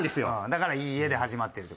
だから「いいえ」で始まってる事。